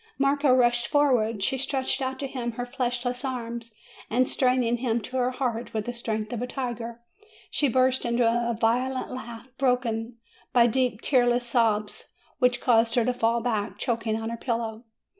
Marco rushed forward; she stretched out to him her fleshless arms, and straining him to her heart with the strength of a tiger, she burst into a violent laugh, broken by deep, tearless sobs, which caused her to fall back, choking on her pillow.